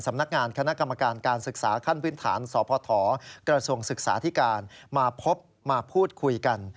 สำนักงานคณะกรรมการการศึกษาขั้นพื้นฐานสพกระทรวงศึกษาธิการมาพบมาพูดคุยกัน